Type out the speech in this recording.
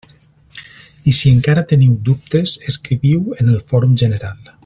I si encara teniu dubtes, escriviu en el fòrum general.